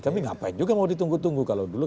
tapi ngapain juga mau ditunggu tunggu kalau dulu